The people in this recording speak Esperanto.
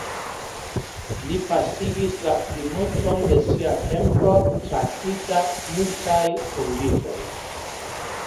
Li pasigis la plimulton de sia tempo traktita multaj vunditaj.